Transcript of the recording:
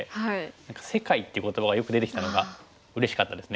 何か「世界」っていう言葉がよく出てきたのがうれしかったですね。